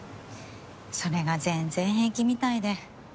それが全然平気みたいで。